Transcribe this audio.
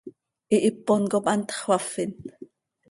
Hihipon cop hantx xöafin.